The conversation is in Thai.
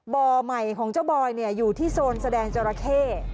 บ่อใหม่ของเจ้าบอยอยู่ที่โซนแสดงจราเข้